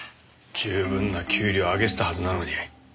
十分な給料あげてたはずなのに。